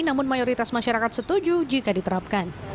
namun mayoritas masyarakat setuju jika diterapkan